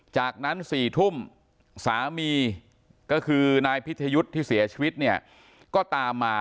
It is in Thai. จากนั้น๔ทุ่มสามีก็คือนายพิทยุทธ์ที่เสียชีวิตเนี่ยก็ตามมา